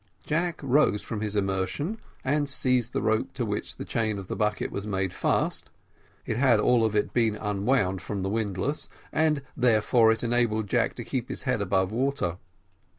Jack rose from his immersion, and seized the rope to which the chain of the bucket was made fast it had all of it been unwound from the windlass, and therefore it enabled Jack to keep his head above water.